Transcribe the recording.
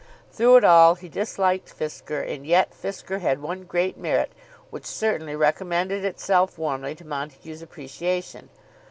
Through it all he disliked Fisker, and yet Fisker had one great merit which certainly recommended itself warmly to Montague's appreciation.